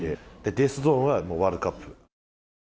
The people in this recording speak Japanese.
デスゾーンはもうワールドカップ。